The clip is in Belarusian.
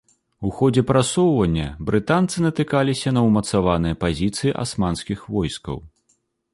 У ходзе прасоўвання брытанцы натыкаліся на ўмацаваныя пазіцыі асманскіх войскаў.